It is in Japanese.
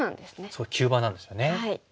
そう急場なんですよね。